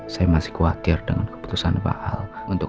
saya masih khawatir dengan keputusan bahwa untuk